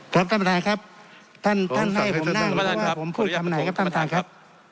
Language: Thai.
ครับท่านประธานครับท่านท่านให้ผมนั่งผมพูดคำไหนครับท่านประธานครับ